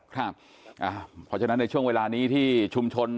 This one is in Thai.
เพราะฉะนั้นในช่วงเวลานี้ที่ชุมชน